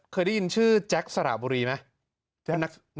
เคยได้ยินชื่อแจ๊คสารบุรีมั้ย